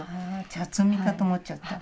茶摘みかと思っちゃった。